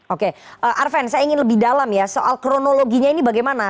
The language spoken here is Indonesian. oke arven saya ingin lebih dalam ya soal kronologinya ini bagaimana